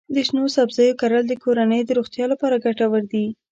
د شنو سبزیو کرل د کورنۍ د روغتیا لپاره ګټور دي.